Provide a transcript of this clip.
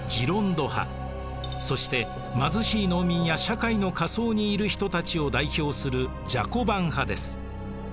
そして貧しい農民や社会の下層にいる人たちを代表するジャコバン派です。